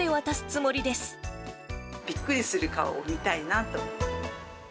びっくりする顔を見たいなと。